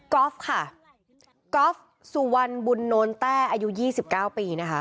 อล์ฟค่ะก๊อฟสุวรรณบุญโน้นแต้อายุ๒๙ปีนะคะ